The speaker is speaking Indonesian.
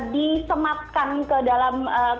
disematkan ke dalam